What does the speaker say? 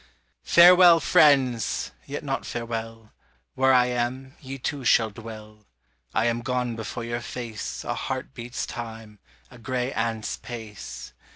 Farewell, friends! Yet not farewell; Where I am, ye too shall dwell. I am gone before your face A heart beat's time, a gray ant's pace.